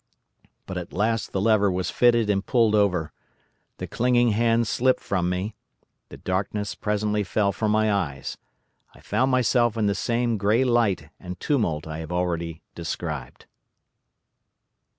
"But at last the lever was fixed and pulled over. The clinging hands slipped from me. The darkness presently fell from my eyes. I found myself in the same grey light and tumult I have already described.